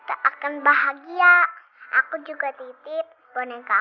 bagus makan baju tante habis gilang di vitrine tinggi ring